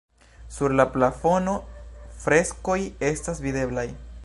Sur la plafono freskoj estas videblaj.